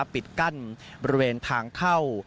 ปิดกั้นบริเวณทางเข้า